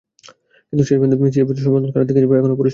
কিন্তু শেষ পর্যন্ত সিএএফের সমর্থন কার দিকে যাবে, এখনো পরিষ্কার নয়।